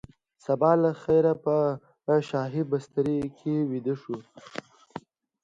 سبا له خیره به په شاهي بستره کې ویده شو.